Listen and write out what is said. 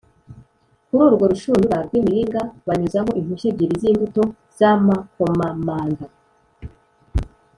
Kuri urwo rushundura rw’imiringa banyuzaho impushya ebyiri z’imbuto z’amakomamanga